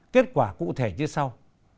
kết quả cụ thể như sau